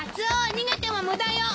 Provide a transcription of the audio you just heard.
逃げても無駄よ！